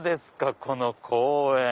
この公園。